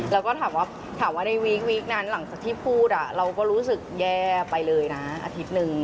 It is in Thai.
แล้วก็ถามว่าในวีคนั้นหลังจากที่พูดเราก็รู้สึกแย่ไปเลยนะอาทิตย์หนึ่ง